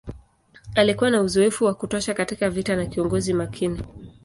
Alikuwa na uzoefu wa kutosha katika vita na kiongozi makini.